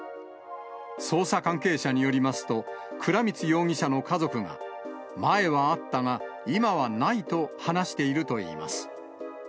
捜査関係者によりますと、倉光容疑者の家族が、前はあったが、今はないと話しているといいます。